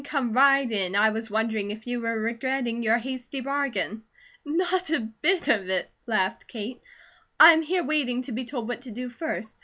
Come right in. I was wondering if you were regretting your hasty bargain." "Not a bit of it!" laughed Kate. "I am here waiting to be told what to do first.